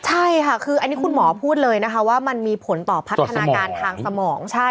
ใช่ค่ะคืออันนี้คุณหมอพูดเลยนะคะว่ามันมีผลต่อพัฒนาการทางสมอง